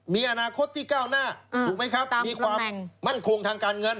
มีอนาคตที่ก้าวหน้าถูกไหมครับมีความมั่นคงทางการเงิน